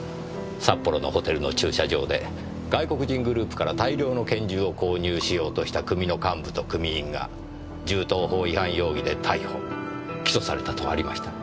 札幌のホテルの駐車場で外国人グループから大量の拳銃を購入しようとした組の幹部と組員が銃刀法違反容疑で逮捕起訴されたとありました。